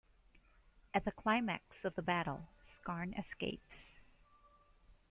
At the climax of the battle, Scarn escapes.